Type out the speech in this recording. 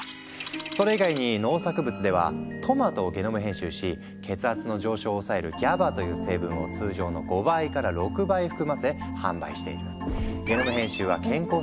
それ以外に農作物ではトマトをゲノム編集し血圧の上昇を抑えるＧＡＢＡという成分を通常の５倍から６倍含ませ販売している。